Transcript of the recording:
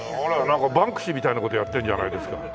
なんかバンクシーみたいな事やってんじゃないですか。